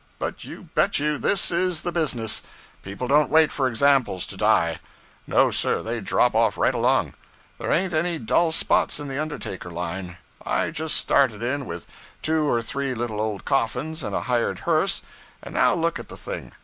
But you bet you, this is the business! People don't wait for examples to die. No, sir, they drop off right along there ain't any dull spots in the undertaker line. I just started in with two or three little old coffins and a hired hearse, and now look at the thing!